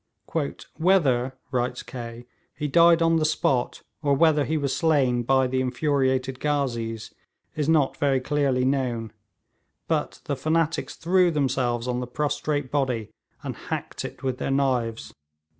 'Whether,' writes Kaye, 'he died on the spot, or whether he was slain by the infuriated ghazees, is not very clearly known; but the fanatics threw themselves on the prostrate body and hacked it with their knives.'